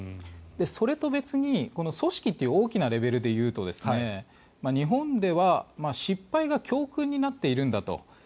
それと別に組織という大きなレベルでいうと日本では失敗が教訓になっているんだと。